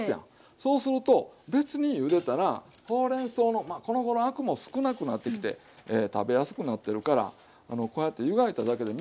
そうすると別にゆでたらほうれんそうのこのごろアクも少なくなってきて食べやすくなってるからこうやって湯がいただけで水に取らないでも